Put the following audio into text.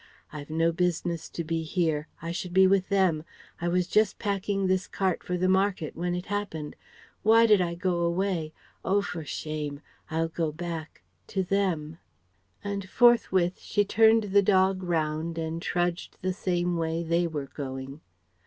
"I've no business to be here. I should be with them. I was just packing this cart for the market when it happened. Why did I go away? Oh for shame! I'll go back to them..." And forthwith she turned the dog round and trudged the same way they were going.